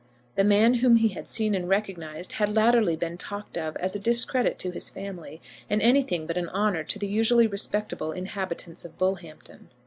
The man whom he had seen and recognised had latterly been talked of as a discredit to his family, and anything but an honour to the usually respectable inhabitants of Bullhampton.